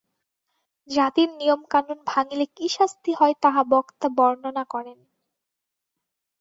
জাতির নিয়ম-কানুন ভাঙিলে কি শাস্তি হয়, তাহা বক্তা বর্ণনা করেন।